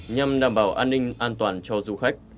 nhằm đảm bảo an ninh an toàn cho du khách